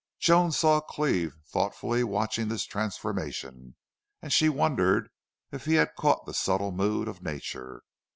Joan saw Cleve thoughtfully watching this transformation, and she wondered if he had caught the subtle mood of nature.